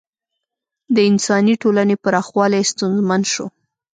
د انساني ټولنې پراخوالی ستونزمن شو.